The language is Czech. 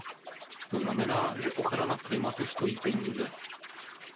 To znamená, že ochrana klimatu stojí peníze.